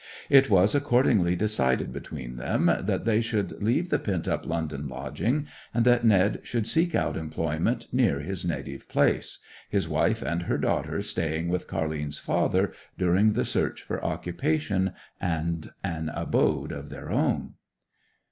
It was accordingly decided between them that they should leave the pent up London lodging, and that Ned should seek out employment near his native place, his wife and her daughter staying with Car'line's father during the search for occupation and an abode of their own.